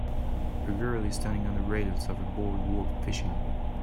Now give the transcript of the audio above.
A girl is standing on the rails of a boardwalk, fishing.